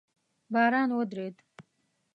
باران ودرېده